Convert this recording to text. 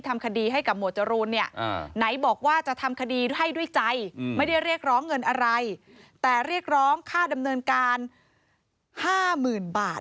ไม่ได้เรียกร้องเงินอะไรแต่เรียกร้องค่าดำเนินการ๕๐๐๐๐บาท